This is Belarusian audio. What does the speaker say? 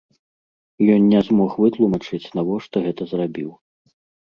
Ён не змог вытлумачыць, навошта гэта зрабіў.